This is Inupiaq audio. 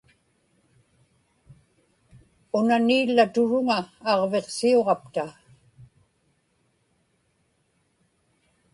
unaniillaturuŋa aġviqsiuġapta